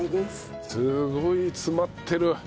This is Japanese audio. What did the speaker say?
すごい詰まってる！